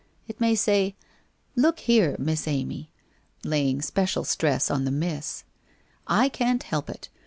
It may say :' Look here, Miss Amy (laying special stress on the Miss), I can't help it.